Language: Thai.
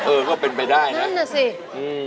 เออก็เป็นไปได้น่ะใช่มั้ยอืม